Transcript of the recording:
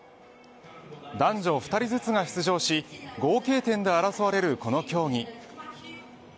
男女２人ずつが出場し合計点で争われるこの競技。